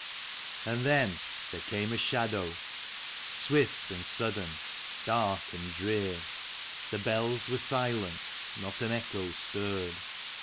And then there came a shadow, swift and sudden, dark and drear; The bells were silent, not an echo stirred.